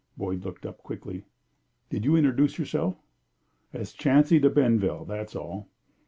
Boyd looked up quickly. "Did you introduce yourself?" "As Chancy De Benville, that's all.